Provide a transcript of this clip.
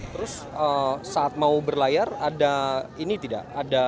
terus saat mau berlayar ada ini tidak